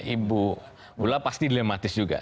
ibu ula pasti dilematis juga